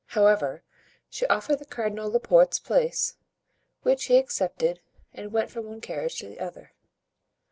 However, she offered the cardinal Laporte's place, which he accepted and went from one carriage to the other.